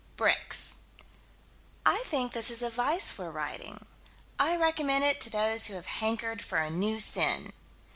Bricks. I think this is a vice we're writing. I recommend it to those who have hankered for a new sin.